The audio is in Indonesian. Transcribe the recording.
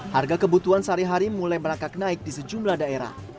harga kebutuhan sehari hari mulai merangkak naik di sejumlah daerah